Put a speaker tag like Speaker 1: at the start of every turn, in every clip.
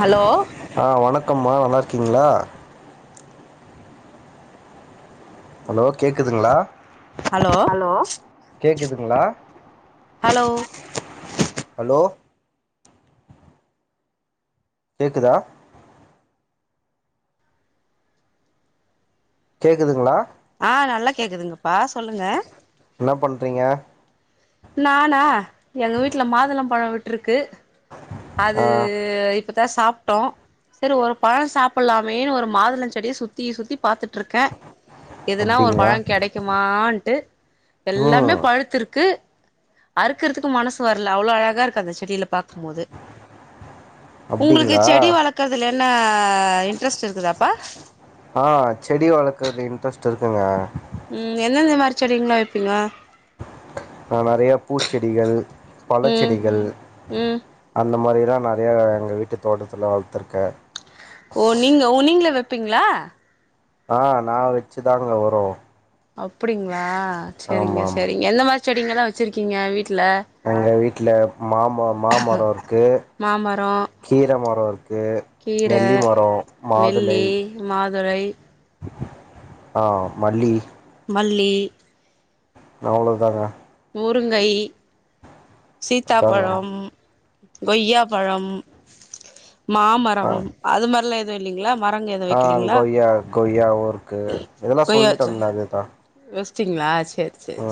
Speaker 1: hello
Speaker 2: ஆ வணக்கம்மா நல்லாருக்கீங்களா ஹலோ கேக்குதுங்களா ஹலோ கேக்குதுங்களா
Speaker 1: ஹலோ
Speaker 2: ஹலோ கேக்குதா கேக்குதுங்களா
Speaker 1: ஆ நல்லா கேக்குதுங்கப்பா சொல்லுங்க
Speaker 2: என்னா பண்றீங்க
Speaker 1: நானா எங்க வீட்ல மாதுளம் பழோ விட்டுருக்கு அது
Speaker 2: ஆ
Speaker 1: இப்பதா சாப்டோ செரி ஒரு பழோ சாப்டலாமே ஒரு மாதுள செடிய சுத்தி சுத்தி பாத்துட்டு இருக்க எதுனா ஒரு
Speaker 2: அப்டிங்களா
Speaker 1: பழோ கெடைக்குமான்டு எல்லாமே
Speaker 2: ம்
Speaker 1: பழுத்துருக்கு அறுக்கறதுக்கு மனசு வரல அவ்ளோ அழகா இருக்கு அந்த செடில பாக்கும் போது உங்களுக்கு
Speaker 2: அப்டிங்களா
Speaker 1: செடி வளக்குறது ல என்ன இன்ட்ரெஸ்ட் இருக்குதாப்பா
Speaker 2: ஆ செடி வளக்கறது இன்ட்ரெஸ்ட் இருக்குங்க
Speaker 1: ம் எந்தெந்த மாரி செடிங்களா வெப்பீங்க
Speaker 2: நா நறைய பூச்செடிகள்
Speaker 1: ம்
Speaker 2: பழச்செடிகள்
Speaker 1: ம்
Speaker 2: அந்த மாரிலா நறையா எங்க வீட்டு தோட்டத்துல வளத்துருக்க
Speaker 1: ஓ நீங்க ஓ நீங்களே வெப்பீங்ளா
Speaker 2: ஆ நா வச்சு தாங்க வரு
Speaker 1: அப்டிங்ளா
Speaker 2: ஆமா
Speaker 1: செரிங்க
Speaker 2: ஆமா
Speaker 1: செரிங்க எந்த மாரி செடிங்கல்லா வச்சுருக்கீங்க வீட்ல
Speaker 2: எங்க வீட்ல மாமா மாமரோ இருக்கு
Speaker 1: மாமரோ
Speaker 2: கீர மரோ இருக்கு
Speaker 1: கீர
Speaker 2: நெல்லி மரோ மாதுளை
Speaker 1: நெல்லி மாதுளை
Speaker 2: ஆ மல்லி
Speaker 1: மல்லி
Speaker 2: அவ்ளோ தாங்க
Speaker 1: முருங்கை
Speaker 2: அதாங்க
Speaker 1: சீத்தாப்பழம் கொய்யாப்பழம்
Speaker 2: ஆ
Speaker 1: மாமரம் அது மாரிலா எது இல்லிங்களா மரங்க எது
Speaker 2: ஆ
Speaker 1: வெக்கிலீங்ளா
Speaker 2: கொய்யா
Speaker 1: போயாச்சா
Speaker 2: எது கா
Speaker 1: வஸ்ட்டிங்ளா சரி சரி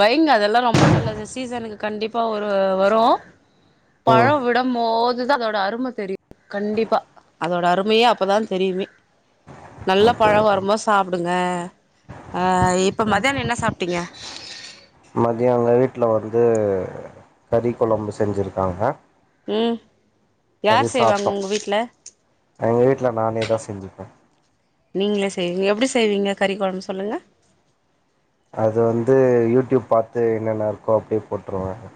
Speaker 1: வைங்க அதெல்லா ரொம்ப நல்லது சீசனுக்கு கண்டிப்பா ஒரு வரு
Speaker 2: ம்
Speaker 1: பழோ விடம் போதுதா அதோட அரும தெரியு கண்டிப்பா அதோட அருமையே அப்பதா தெரியுமே நல்ல பழோ
Speaker 2: அப்டிங்களா
Speaker 1: வரும்போ சாப்டுங்க ஆ இப்ப மதியானோ என்ன சாப்ட்டீங்க
Speaker 2: மதியோ எங்க வீட்ல வந்து கறி கொழம்பு செஞ்சுருக்காங்க
Speaker 1: ம்
Speaker 2: மதியோ
Speaker 1: யார் செய்வாங்க
Speaker 2: சாப்ட்டோ
Speaker 1: உங்க வீட்ல
Speaker 2: எங்க வீட்ல நானே தா செஞ்சிப்ப
Speaker 1: நீங்களே செய்வீங்க எப்டி செய்வீங்க கறி கொழம்பு சொல்லுங்க
Speaker 2: அது வந்து யூட்யூப் பாத்து என்னென்ன இருக்கோ அப்டியே போட்ருவங்க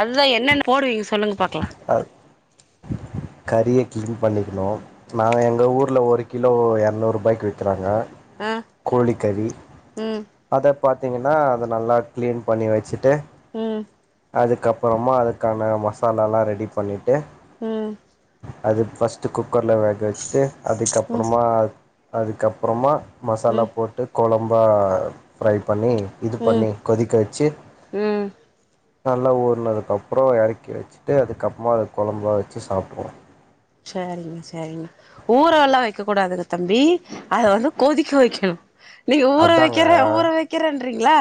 Speaker 1: அதுதா என்னென்ன போடுவீங்க சொல்லுங்க பாக்கலா
Speaker 2: அ கறிய க்ளீன் பண்ணிக்ணு நாங்க எங்க ஊர்ல ஒரு கிலோ எர்நூரூபாய்க்கு விக்கறாங்க
Speaker 1: ஆ
Speaker 2: கோழிக்கறி
Speaker 1: ம்
Speaker 2: அத பாத்திங்கன்னா அத நல்லா க்ளீன் பண்ணி வச்சுட்டு
Speaker 1: ம்
Speaker 2: அதுக்கபறமா அதுக்கான மசாலாலா ரெடி பண்ணிட்டு
Speaker 1: ம்
Speaker 2: அது ஃபஸ்ட்டு குக்கர்ல வேக வச்சுட்டு
Speaker 1: ம்
Speaker 2: அதுக்கப்றமா அதுக்கப்றமா மசாலா
Speaker 1: ம்
Speaker 2: போட்டு கொழம்பா ஃப்ரை பண்ணி இது
Speaker 1: ம்
Speaker 2: பண்ணி கொதிக்க வச்சு
Speaker 1: ம்
Speaker 2: நல்லா ஊறனதுக்கப்புறோ எறக்கி வச்சுட்டு அதுக்கப்மா அது கொழம்பா வச்சு சாப்டுவோ
Speaker 1: சரிங்க சரிங்க ஊற எல்லா வைக்க கூடாதுங்க தம்பி அத வந்து கொதிக்க வைக்கணு நீங்க ஊற
Speaker 2: அதாங்க
Speaker 1: வைக்கிற ஊற வைக்கிறன்றீங்ளா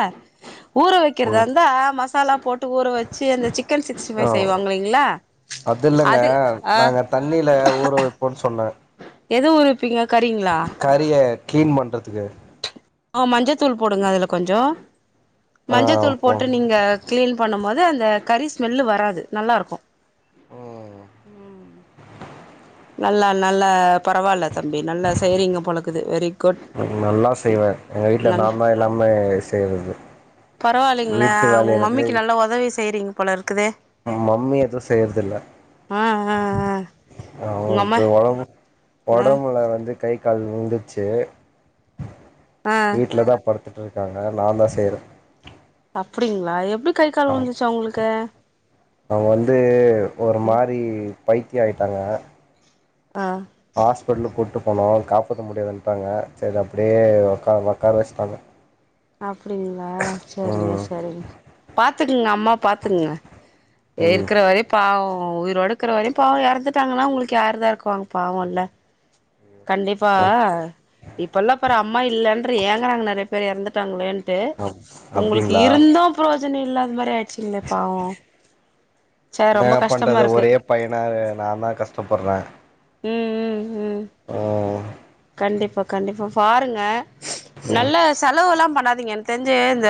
Speaker 1: ஊற
Speaker 2: ம்
Speaker 1: வைக்கிறதாந்தா மசாலா போட் டு ஊற வச்சு அந்த சிக்கன் சிகஸ்டி பைவ்
Speaker 2: ஆ
Speaker 1: செய்வாங்கல்லிங்ளா அது அ
Speaker 2: நாங்க தண்ணில ஊற வைப்போன் சொன்ன
Speaker 1: எது ஊர வப்பீங்க கறிங்ளா
Speaker 2: கறிய கிளீன் பண்ணறதுக்கு
Speaker 1: ஆ மஞ்சதூள் போடுங்க அதில கொஞ்சொம்
Speaker 2: ஆ
Speaker 1: மஞ்சதூள்
Speaker 2: போ
Speaker 1: போட்டு நீங்க கிளீன் பண்ணும்மோது அந்த கறி ஸ்மெல்லு வராது நல்லாயிருக்கும்
Speaker 2: ம்
Speaker 1: நல்லா நல்ல பரவால்ல தம்பி நல்லா செய்றீங்க போலக்குது வெரி குட்
Speaker 2: நல்லா செய்வேன் எங்க வீட்ல நா தான் எல்லாமே செய்றது
Speaker 1: பரவாலலைங்களே
Speaker 2: வீட்டு
Speaker 1: உங்க
Speaker 2: வேலையிலருந்து
Speaker 1: மம்மிக்கு நல்லா உதவி செய்யறீங்க போல இருக்குது
Speaker 2: யென் மம்மி எதும் செய்யறதில்ல
Speaker 1: ஆ ஆ உங்க
Speaker 2: அவங்க
Speaker 1: அம்மா
Speaker 2: வொடம்பு
Speaker 1: ஆ
Speaker 2: வொடம்புல வந்து கை கால் ஊல்ந்துச்சு
Speaker 1: ஆ
Speaker 2: வீட்ல தா படுத்து துட்டுயிருக்காங்க நான் தா செய்றன்
Speaker 1: அப்டிங்களா எப்டி கை கால் உழுந்துச்சு அவுங்களுக்கு
Speaker 2: அவங்க வந்து ஒரு மாரி பைத்தியம் ஆயிட்டாங்க
Speaker 1: ஆ
Speaker 2: ஹாஸ்பிட்டலுக்கு கூட்டு போனோம் காப்பாத்த முடியாதுன்டாங்க சரி அப்டியே உக்கார் உகார வச்சுட்டாங்க
Speaker 1: அப்டிங்களா செரிங்க
Speaker 2: ம்
Speaker 1: செரிங்க பாத்துக்குங்க அம்மா பாத்துக்குங்க
Speaker 2: ம்
Speaker 1: இருக்கிற வரயும் பாவோம் உயிரோடுக்கிற வரயும் பாவோம் இறந்துட்டாங்கன்னா உங்களுக்கு யாரு தா இருக்குவாங்க பாவும்ல்ல கண்டிப்பா இப்பல்லாம் பாரு அம்மா இல்லன்று ஏங்கறாங்க நறைய பேர் இறந்துட்டாங்களேன் ட்டு
Speaker 2: அப்
Speaker 1: உங்களுக்கு
Speaker 2: அப்டிங்களா
Speaker 1: இருந்தும் புரோஜனம் இல்லாத மாதிரி ஆயிடுச்சுங்கலே பாவோம்
Speaker 2: என்னப் பண்றது ஒரே பையனா நா தான் கஷ்டப்படுறன்
Speaker 1: ம் ம் ம்
Speaker 2: ஆ
Speaker 1: கண்டிப்பா கண்டிப்பா பாருங்க நல்ல செலவெல்லா பண்ணாதீங்க எனக் தெஞ்சு இந்த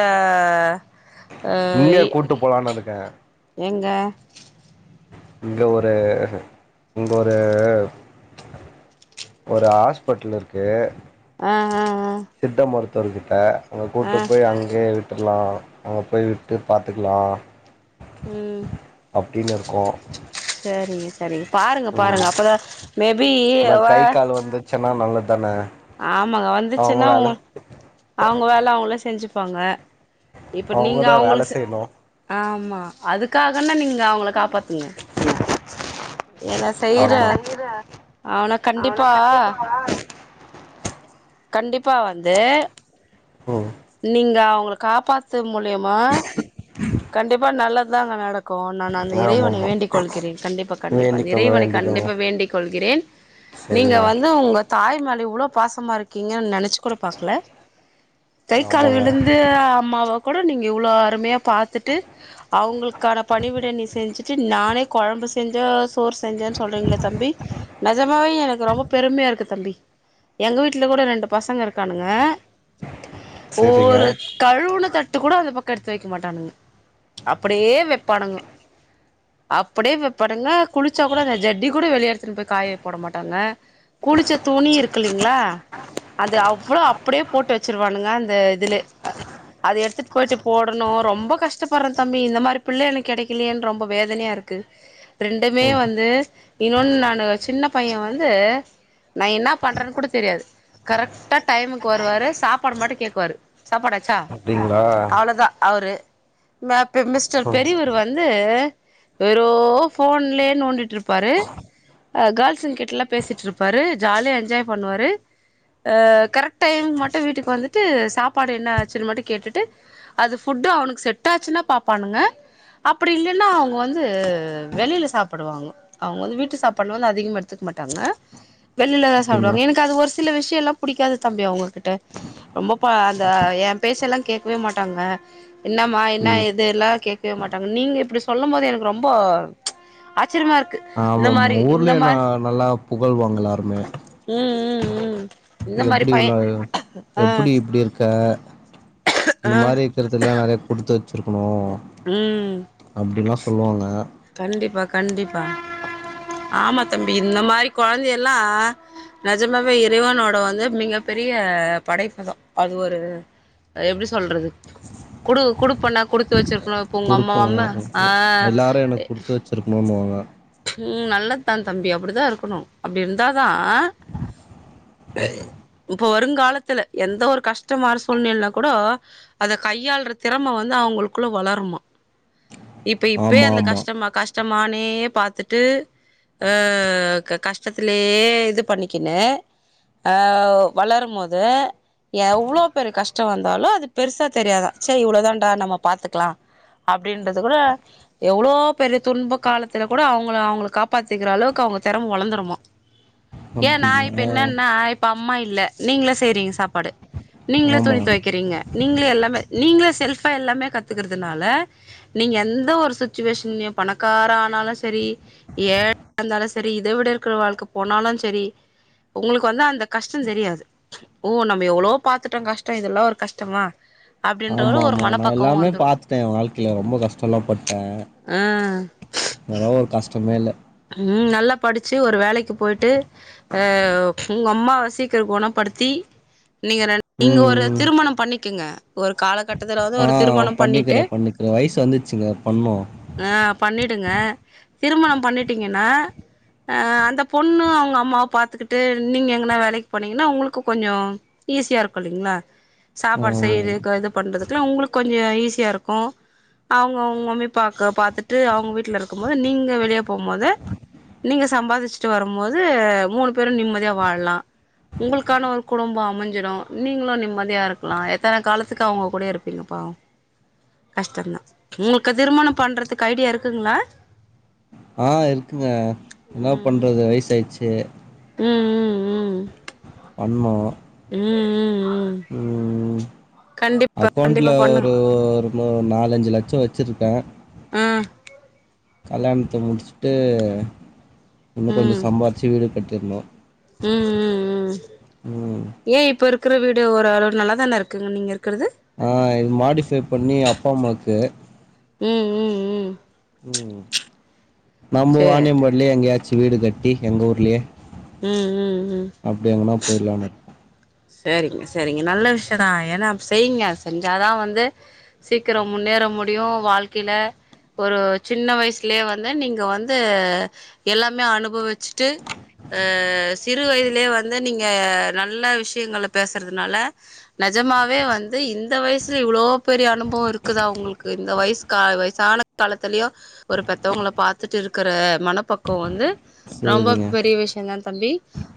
Speaker 2: இங்க
Speaker 1: அஈ
Speaker 2: கூட்டு போலான் இருக்கன்
Speaker 1: எங்க
Speaker 2: இங்க ஒரு இங்கொரு ஒரு ஹாஸ்பெட்டல் இருக்கு
Speaker 1: ஆ ஆ ஆ
Speaker 2: சித்த மருத்துவர்கிட்ட அங்க
Speaker 1: ஆ
Speaker 2: கூட்டு போய் அங்க்யே வி விட்டுர்லாம் அங்க போய் விட்டு பாத்துக்கலா
Speaker 1: ம்
Speaker 2: அப்டின்னு இருக்கோம்
Speaker 1: சேரிங்க செரிங்க பாருங்க பாருங்க அப்பதா மேபி இவ
Speaker 2: ச்சின்னா நல்லத்தான
Speaker 1: ஆமாங்க வந்துச்சுன்னாவு அவுங்க வேல அவுங்களே செஞ்சுப்பாங்க இப்போ நீங்க
Speaker 2: அவங்கதா வேல
Speaker 1: அவுங்களுக் செ
Speaker 2: செய்யணு
Speaker 1: ஆமா அதுக்காகன்னா நீங்க அவுங்கள காப்பாத்துங்க ஏனா செய்ற
Speaker 2: வேல செய்யற
Speaker 1: அவன கண்டிப்பா கண்டிப்பா வந்து
Speaker 2: ம்
Speaker 1: நீங்க அவுங்கள காப்பாத்து மூலியமா கண்டிப்பா நல்லதுதாங்க நடக் கூ நான் அந்த இறைவனை
Speaker 2: ஆமாமா
Speaker 1: வேண்டிக் கொள்கிறேன் கண்டிப்பா கண்டிப்பா அந்த
Speaker 2: வேண்டிக்கோங்க
Speaker 1: இறைவனை
Speaker 2: வேண்டிக்கோங்க
Speaker 1: கண்டிப்பா வேண்டி கொள்கிறேன் நீங்க
Speaker 2: செரிங்க
Speaker 1: வந்து உங்க தாய் மேல இவ்ளோ பாசமா இருக்கீங்கன் நெனச் க்கூட பாக்ல கைக்கால்
Speaker 2: ஆமாங்க
Speaker 1: விழுந்து அம்மாவ கூட நீங்க இவ்ளோ அருமையா பாத்துட்டு அவுங்குளுக்கான பணிவிட நீ செஞ்சுட்டு நானே கொழம்பு செஞ்சே சோர் செஞ்சே சொல்றீங்களே தம்பி நெஜமாவே எனக்கு ரொம்ப பெருமயா இருக்கு தம்பி எங்க வீட்ல கூட ரெண்டு பசங்க இருக்கானுங்க
Speaker 2: செரிங்க
Speaker 1: ஒவ்வரு கழுவுன தட்டு கூட அந்த பக்கோ எடுத்து வக்க மாட்டானுங்க அப்டியே வெப்பானுங்க அப்டியே வெப்பானுங்க குளிச்சா கூட அந்த ஜட்டி கூட வெளியெடுத்துன்னு போய் காய போட மாட்டாங்க குளிச்ச துணி இருக் க்கில்லைங்ளா அது அவ்ளோ அப்டியே போட்டு வச்சிருவானுங்க அந்த இதுலே அது எடுத்துட்டு போயிட்டு போடணு ரொம்ப கஷ்டப்பட்றே தம்பி இந்த மாரி பிள்ள எனக்கு கெடைக்கலயேன்னு ரொம்ப வேதனையா இருக்கு ரெண்டுமே
Speaker 2: ம்
Speaker 1: வந்து இன்னொன்னு நானு சின்ன பைய வந்து நா என்னா பண்றன்னு கூட தெரியாது கரெக்டா டைமுக்கு வருவாரு சாப்பாடு மட்டு கேக்குவாரு சாப்பாடாச்சா
Speaker 2: அப்டிங்களா
Speaker 1: அவ்ளோதா அவுரு ம பெ மிஸ்டர்
Speaker 2: ம்
Speaker 1: பெரியவரு வ வந்து வெறூ ஃபோன்லே நோண்டிட்ருப்பாரு அ கேர்ள்ஸ்ங்ககிட்டல்லா பேசிட்ருப்பாரு ஜாலியா என்ஜாய் பண்ணுவாரு அ கரெக்ட் டைம் மட்டு வீட்டுக்கு வந்துட்டு சாப்பாடு என்ன ஆச்சுன்னு மட்டு கேட்டுட்டு அது ஃபுட்டு அவனுக்கு செட் ஆச்சுன்னா பாப்பானுங்க அப்பிடி இல்லேன்னா அவுங்க வந்து வெளில சாப்புடுவாங்க அவுங்க வந்து வீட்டு சாப்பாடு வந்து அதிகமா எடுத்துக்க மாட்டாங்க வெளில
Speaker 2: அப்டிங்களா
Speaker 1: சாப்டுவாங்க எனக்கு அது ஒரு சில விஷ்யல்லா புடிக்காது தம்பி அவுங்ககிட்ட ரொம்ப பா அந்த எ பேச்செல்லா கேக்கவே மாட்டாங்க என்னமா என்ன
Speaker 2: ம்
Speaker 1: ஏது எல்லா கேட்கவே மாட்டாங்க நீங்க இப்டி சொல்லம்போது எனக்கு ரொம்போ ச் ஆச்சிரிமா இருக்கு
Speaker 2: ஆமாம் ஊர்லயே நா
Speaker 1: மாரி
Speaker 2: நல்லா புகழ்வாங்க எல்லார்மே
Speaker 1: ம் ம் ம் இந்த மாரி
Speaker 2: எப்டி இவ்ளா
Speaker 1: பையன் ஆ
Speaker 2: எப்புடி இப்டி இருக் க இது
Speaker 1: ஆ
Speaker 2: மாரி இக்கறதுக்ல்லா நெறைய குடுத்து வச்சிருக்குணு
Speaker 1: உம்
Speaker 2: அப்படிலா சொல்லுவாங்க
Speaker 1: கண்டிப்பா கண்டிப்பா ஆமா தம்பி இந்த மாரி குழந்தையல்லா நிஜமாவே இறைவனோட வந்து மிக பெரிய படைப்புதா அது ஒரு எப்டி சொல்றது குடு குடுப்பன குடுத்து வச்சிருக்கணு ப உங்க
Speaker 2: குடுப்பங்க
Speaker 1: அம்மாவம்மா
Speaker 2: எனக்கு
Speaker 1: ஆஹ்
Speaker 2: எல்லாரு எனக்கு குடுத்து வச்சிருக்கணுனுவாங்க
Speaker 1: உம் நல்லதுதா தம்பி அப்டிதா இருக்கணு அப்டி இருந்தாதா இப்ப வருங்காலத்துல எந்த ஒரு கஷ்டமான சூழ்நிலைலா கூட அத கையாளுற திறம வந்து அவங்களுக்குள்ள வளருமா இப்ப இப்பயே
Speaker 2: ஆமா
Speaker 1: அந்த
Speaker 2: ஆமா
Speaker 1: கஷ்டமா கஷ்டமானே பாத் பாத்துட்டு ம் கஷ்டத்திலயே இது பண்ணிக்கினு ஆஹ் வளரு போது எவ்ளோ பெரிய கஷ்டோ வந்தாலு அது பெருசா தெரியாதா ச இவ்ளோதான்டா நம்ம பாத்துக்கலா அப்டின்றது கூட எவ்ளோ பெரிய துன்ப காலத்துல கூட அவங்க அவங்கள காப்பாத்திக்கிற அளவுக்கு அவங்க திறம வளந்திருமா ஏன் நா இப்ப
Speaker 2: அப்டிங்களா
Speaker 1: என்னன்னா இப்ப அம்மா இல்ல நீங்களே செய்றீங்க சாப்பாடு நீங்களே
Speaker 2: ஆமா
Speaker 1: துணித்துவைக்கிறீங்க நீங்களே எல்லாமே நீங்களே செல்ஃபா எல்லாமே கத்துக்கிறதுனால நீங்க எந்த ஒரு சுச்சுவேஷன்லையு பணக்கார ஆனாலு ஸ் சரி ஏழையா இருந்தாலு சரி இத விட இருக்கிற வாழ்க்கை போனாலு சரி உங்களுக்கு வந்து அந்த கஷ்ட தெரியாது ஓ நம்ப எவ்ளோ பாத்துட்டோ கஷ்ட இதெல்லா ஒரு கஷ்டமா அப்படின்ற
Speaker 2: ஆமா
Speaker 1: ஒரு
Speaker 2: ஆமா ஆமா நா
Speaker 1: மனப்பக்குவ
Speaker 2: எல்லாமே
Speaker 1: வந்துரு
Speaker 2: பாத்துட்டே வாழ்க்கைல ரொம்ப கஷ்டோ எல்லா பட்டே
Speaker 1: ஆ
Speaker 2: இதெல்லா ஒரு கஷ்டமே இல்ல
Speaker 1: ம் நல்லா படிச்சு ஒரு வேலைக்கு போயிட்டு அ உங்க அம்மாவ சீக்கர கொணப்படுத்தி நீங்க ரெண் நீங்க ஒரு
Speaker 2: ம்
Speaker 1: திருமணம் பண்ணிக்குங்க ஒரு காலகட்டத்துல வந்து
Speaker 2: ஆ
Speaker 1: ஒரு திருமணம் பண்ணிட்டு
Speaker 2: பண்ணிக்கிறே பண்ணிக்கிறே வயசு வந்துருச்சுங்க பண்ணு
Speaker 1: ஆ பண்ணிடுங்க திருமணம் பண்ணிட்டீங்கன்னா அ அந்த பொண்ணு அவுங்க அம்மாவ பாத்துக்கிட்டு நீங்க எங்கனா வேலைக்கு போனீங்கன்னா உங்களுக்கு கொஞ்சோ ஈஸியா இருக்கு இல்லைங்களா சாப்பாடு
Speaker 2: ஆமா
Speaker 1: செய்யறது கு இது பண்றதுக்குல்லா உங்களுக்கு கொஞ்சோ ஈஸியா இருக்கு அவுங்க அவுங்க மம்மிப்பாக்க பாத்துட்டு அவுங்க வீட்ல இருக்கும் போது நீங்க வெளிய போம்போது நீங்க சம்பாதிச்சுட்டு வரும் போது மூணு பேரு நிம்மதியா வாழலா உங்களுக்கான ஒரு குடும்பம் அமைஞ்சிடும் நீங்களு நிம்மதியா இருக்கலா எத்தன காலத்துக்கு அவுங்க கூட இருப்பீங்க பாவம் கஷ்டந்தா உங்களுக்கு திருமணம் பண்றதுக்கு ஐடியா இருக்குங்களா
Speaker 2: ஆ இருக்குங்க என்ன
Speaker 1: ம்
Speaker 2: பண்ணுறது வயசாயிடுச்சு
Speaker 1: ம் ம் ம்
Speaker 2: பண்ணு
Speaker 1: ம் ம் ம்
Speaker 2: ம்
Speaker 1: கண்டிப்பா
Speaker 2: அக்கௌண்ட்ல
Speaker 1: கண்டிப்பா பண்ணுங்க
Speaker 2: ஒரு ஒரு ஒரு நாலஞ்சு லட்சம் வச்சிருக்கே
Speaker 1: ம்
Speaker 2: கல்யாணத்த முடிச்சுட்டு இன்னு கொஞ்சோ
Speaker 1: ம்
Speaker 2: சம்பாரிச்சு வீடு கட்டிரனு
Speaker 1: ம் ம் ம்
Speaker 2: ம்
Speaker 1: ஏ இப்ப இருக்கிற வீடு ஓரளவு நல்லா தானே இருக்குங்க நீங்க இருக்கிறது
Speaker 2: ஆ இது மாடிஃபை பண்ணி அப்பா அம்மாவுக்கு
Speaker 1: ம் ம் ம்
Speaker 2: ம் நம்போ
Speaker 1: சேர்
Speaker 2: வாானியம்பாடிலயே எங்கயாச்சு வீடு கட்டி எங்க ஊர்லயே
Speaker 1: ம் ம் ம்
Speaker 2: அப்டி எங்கனா போயிட்லானு
Speaker 1: சேரிங்க சேரிங்க நல்ல விஷய தா ஏனா செய்ங்க செஞ்சாதா வந்து சீக்கிரோ முன்னேற முடியு வாழ்க்கைல ஒரு சின்ன வயசுலயே வந்து நீங்க வந்து எல்லாமே அனுபவிச்சுட்டு ஆ சிறு வயதுலேயே வந்து நீங்க நல்ல விஷயங்கள பேசுறதுனால நெஜமாவே வந்து இந்த வயசுல இவ்ளோ பெரிய அனுபவ இருக்குதா ஒங்களுக்கு இந்த வயசுக்கா வயசான காலத்திலயோ ஒரு பெத்தவங்கள பாத்துட்டு இருக்கிற மனப்பக்குவ வந்து
Speaker 2: இருக்கோ
Speaker 1: ரொம்ப
Speaker 2: சேரிங்க
Speaker 1: பெரிய விஷய தா தம்பி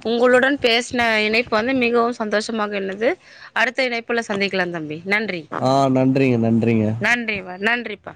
Speaker 1: உங்களுடன் பேசுன இணைப்பு வந்து மிகவு சந்தோஷமாக உள்ளது அடுத்த இணைப்புல சந்திக்கலா தம்பி நன்றி
Speaker 2: ஆ நன்றிங்க நன்றிங்க
Speaker 1: நன்றி வ நன்றிப்பா